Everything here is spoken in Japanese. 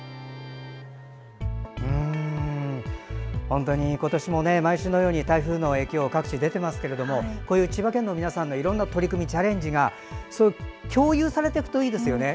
本当に今年も毎週のように台風の影響が各地、出ていますけれどもこういう千葉県の皆さんのいろんな取り組み、チャレンジが共有されていくといいですよね。